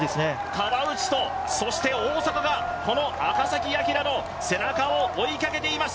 川内と大迫が赤崎暁の背中を追いかけています。